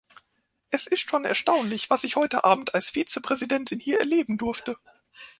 Es ist schon erstaunlich, was ich heute abend als Vizepräsidentin hier erleben durfte.